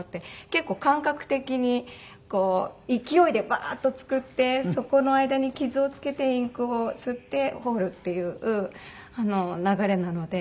結構感覚的にこう勢いでバーッと作ってそこの間に傷をつけてインクを刷って彫るっていう流れなので。